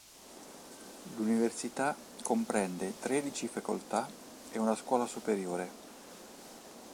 L'università comprende tredici facoltà ed una scuola superiore.